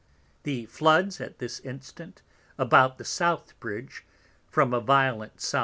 The Floods at this instant about the South Bridge, from a violent S.W.